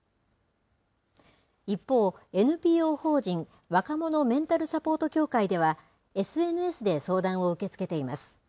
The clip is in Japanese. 一方、ＮＰＯ法人若者メンタルサポート協会では、ＳＮＳで相談を受け付けています。